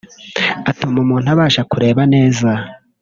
Atuma umuntu abasha kureba neza